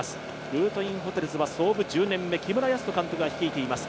ルートインホテルズは創部１０年目、木村泰人監督が率いています。